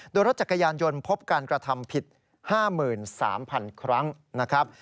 โดยรถจักรยานยนต์พบการกระทำผิด๕๓๐๐๐ครั้งนะครับ